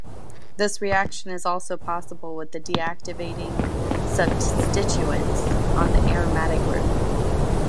This reaction is also possible with deactivating substituents on the aromatic group.